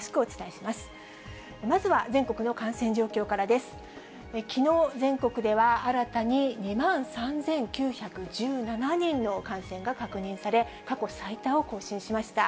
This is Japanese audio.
きのう、全国では新たに２万３９１７人の感染が確認され、過去最多を更新しました。